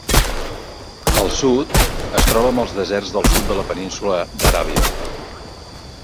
Al sud, es troba amb els deserts del sud de la península d'Aràbia.